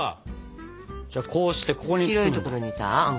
じゃあこうしてここに包むんだ。